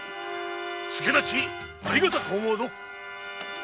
助太刀ありがたく思うぞ。